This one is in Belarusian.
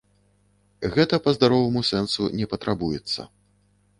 Гэта па здароваму сэнсу не патрабуецца.